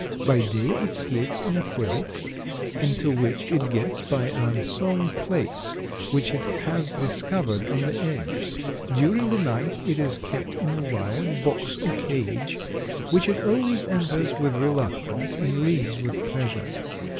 By day it sleeps in a quilt, into which it gets by an unsewn place which it has discovered on the edge; during the night it is kept in a wired box or cage, which it always enters with reluctance and leaves with pleasure.